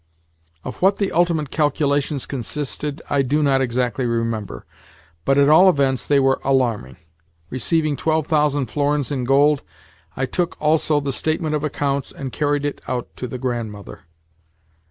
Of what the ultimate calculations consisted I do not exactly remember, but at all events they were alarming. Receiving twelve thousand florins in gold, I took also the statement of accounts, and carried it out to the Grandmother.